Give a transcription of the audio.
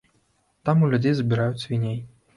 Там у людзей забіраюць свіней.